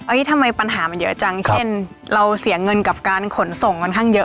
ทำไมปัญหามันเยอะจังเช่นเราเสียเงินกับการขนส่งค่อนข้างเยอะ